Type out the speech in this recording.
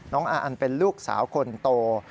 น้องอันอันเป็นลูกสาวคนโต